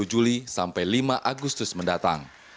dari sepuluh juli sampai lima agustus mendatang